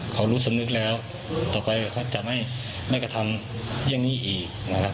เขารู้สำนึกแล้วต่อไปเขาจะไม่กระทำอย่างนี้อีกนะครับ